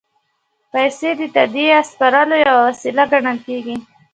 پیسې د تادیې یا سپارلو یوه وسیله ګڼل کېږي